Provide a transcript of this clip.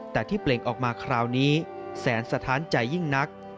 แต่ที่เปล่งออกมาคราวนี้แสนสะท้านใจยิ่งนัก